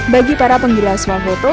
bagi para penggilah suafoto